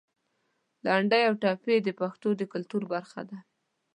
لنډۍ او ټپې د پښتنو د کلتور برخه ده.